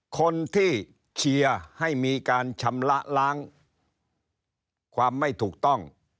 คนที่เชียร์ให้มีการชำระล้างความไม่ถูกต้อง